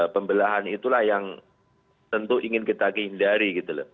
pembelahan itulah yang tentu ingin kita hindari